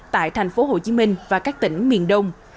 tại thành phố hồ chí minh và các tỉnh miền đông